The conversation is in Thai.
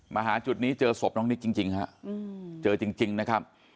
มาหาจุดนี้เจอศพน้องนิดจริงจริงฮะอืมเจอจริงจริงนะครับ